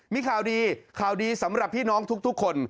มีข่าวดีข่าวดีสำหรับพี่น้องทุกคน